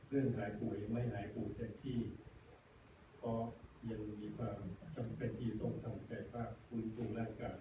เรื่องหายป่วยไม่หายป่วยแค่ที่ก็ยังมีความจำเป็นที่ต้องทำแค่ฝากคุ้นตัวร่างกาย